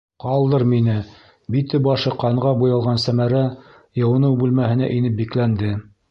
Ҡалдыр мине, - бите-башы ҡанға буялған Сәмәрә йыуыныу бүлмәһенә инеп бикләнде.